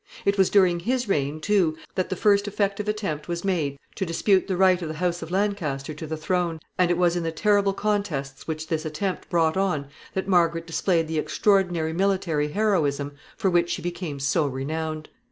It was during his reign, too, that the first effective attempt was made to dispute the right of the house of Lancaster to the throne, and it was in the terrible contests which this attempt brought on that Margaret displayed the extraordinary military heroism for which she became so renowned.